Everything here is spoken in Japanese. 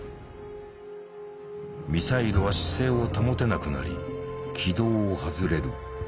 ミサイルは姿勢を保てなくなり軌道を外れる。